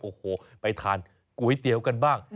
โอ้โหไปทานก๋วยเตี๋ยวกันบ้าง